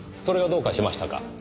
それがどうかしましたか？